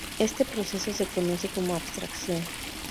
Este proceso se conoce como abstracción.